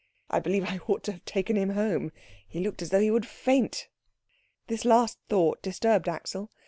I believe I ought to have taken him home. He looked as though he would faint." This last thought disturbed Axel.